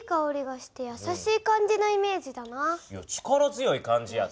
いや力強い感じやって。